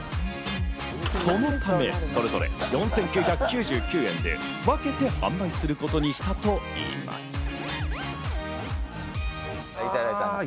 そのため、それぞれ４９９９円で分けて販売することにしたといいます。